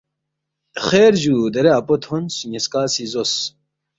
خیر جُو دیرے اپو تھونس، نِ٘یسکا سی زوس